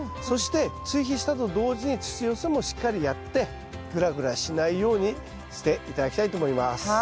そして追肥したと同時に土寄せもしっかりやってぐらぐらしないようにして頂きたいと思います。